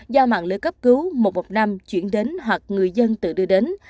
do mạng lưới cấp cứu một trăm một mươi năm chuyển đến hoặc người dân tự đưa đến